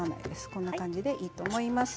こんな感じでいいと思います。